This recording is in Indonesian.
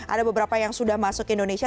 ada beberapa yang sudah masuk ke indonesia